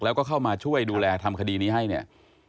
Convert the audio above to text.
แล้วก็เข้ามาช่วยดูแลทำคดีนี้ให้เนี่ย